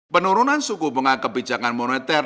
penurunan suku pengangkep bijakan moneter